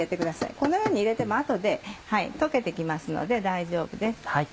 このように入れても後で溶けて行きますので大丈夫です。